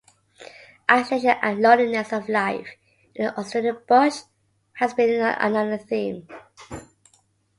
Isolation and loneliness of life in the Australian bush has been another theme.